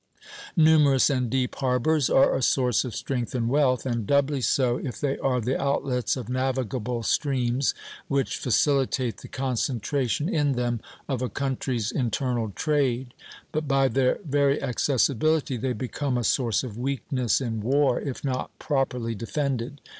Numerous and deep harbors are a source of strength and wealth, and doubly so if they are the outlets of navigable streams, which facilitate the concentration in them of a country's internal trade; but by their very accessibility they become a source of weakness in war, if not properly defended.